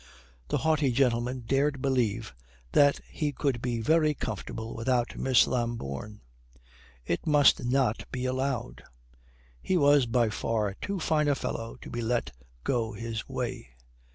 The haughty gentleman dared believe that he could be very comfortable without Miss Lambourne. It must not be allowed. He was by far too fine a fellow to be let go his way.